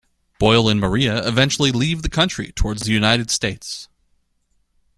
Boyle and Maria eventually leave the country towards the United States.